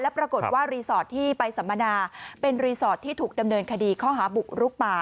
ปรากฏว่ารีสอร์ทที่ไปสัมมนาเป็นรีสอร์ทที่ถูกดำเนินคดีข้อหาบุกรุกป่า